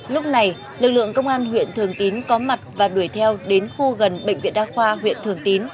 lúc này lực lượng công an huyện thường tín có mặt và đuổi theo đến khu gần bệnh viện đa khoa huyện thường tín